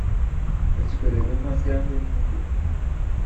¡ El superhéroe más grande del mundo!